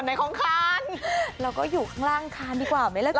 ไม่กลัว